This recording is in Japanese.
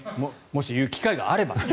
もし言う機会があれば。